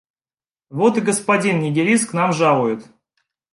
Вот и господин нигилист к нам жалует!